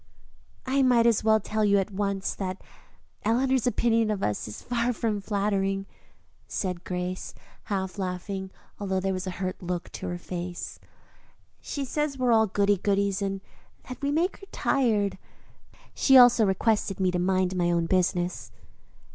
"I might as well tell you at once that Eleanor's opinion of us is far from flattering," said Grace, half laughing, although there was a hurt look on her face. "She says we are all goody goodies and that we make her tired. She also requested me to mind my own business."